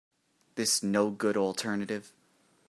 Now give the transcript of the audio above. This no good alternative.